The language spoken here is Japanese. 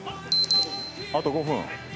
・あと５分。